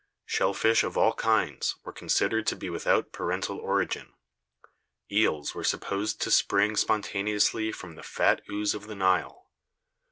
Shell fish of all kinds were considered to be without parental origin. Eels were supposed to spring spontaneously from the fat ooze of the Nile.